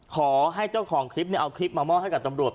ขอให้เจ้าของคลิปเอาคลิปมามอบให้กับตำรวจ